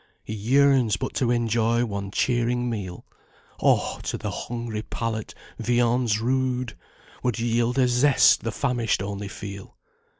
He yearns but to enjoy one cheering meal; Oh! to the hungry palate, viands rude, Would yield a zest the famished only feel!